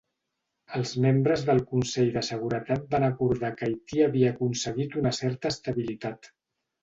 Els membres del Consell de Seguretat van acordar que Haití havia aconseguit una certa estabilitat.